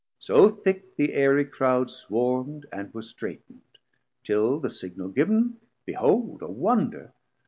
So thick the aerie crowd Swarm'd and were straitn'd; till the Signal giv'n, Behold a wonder!